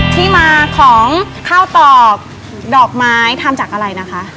ที่มาของข้าวตอกดอกไม้ทำจากอะไรนะคะ